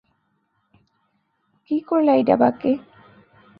কি করলা এইডা বাকে?